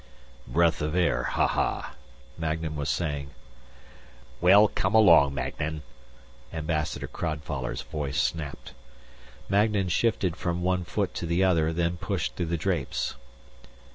" breath of air, ha ha," Magnan was saying. "Well, come along, Magnan!" Ambassador Crodfoller's voice snapped. Magnan shifted from one foot to the other then pushed through the drapes.